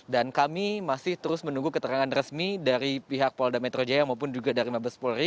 dan kami masih terus menunggu keterangan resmi dari pihak polda metro jaya maupun juga dari mabes polri